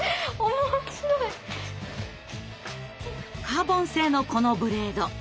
カーボン製のこのブレード。